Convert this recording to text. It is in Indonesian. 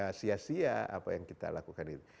iya siya sia apa yang kita lakukan itu